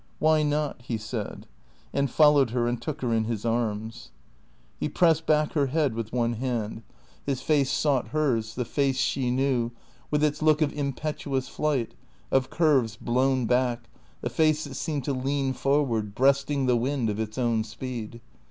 "Why not?" he said, and followed her and took her in his arms. He pressed back her head with one hand. His face sought 476 THE CEEA TOES hers, the face she knew, with its look of impetuous flight, of curves blown back, the face that seemed to lean forward, breast ing the wind of its own speed.